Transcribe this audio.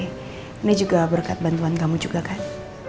ini juga berkat bantuan kamu juga kan